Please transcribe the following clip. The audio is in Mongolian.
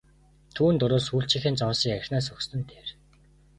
Түүнд орвол сүүлчийнхээ зоосыг архинаас өгсөн нь дээр!